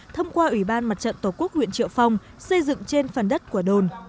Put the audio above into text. thông qua ủy ban mặt trận tổ quốc huyện triệu phong xây dựng trên phần đất của đồn